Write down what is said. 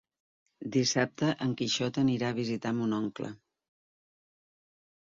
Dissabte en Quixot anirà a visitar mon oncle.